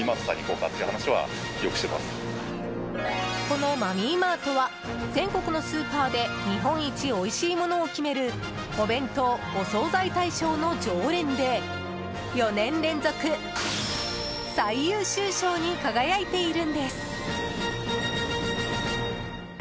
このマミーマートは全国のスーパーで日本一おいしいものを決めるお弁当・お惣菜大賞の常連で４年連続最優秀賞に輝いているんです。